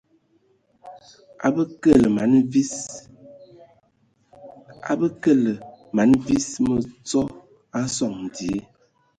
A bə kəlǝg mana vis mǝtsɔ a sɔŋ dzie.